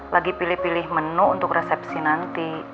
lagi pilih pilih menu untuk resepsi nanti